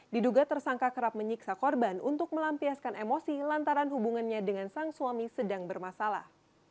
diduga tersangka kerap menyiksa korban untuk melampiaskan emosi lantaran hubungannya dengan sang suami sedang bermasalah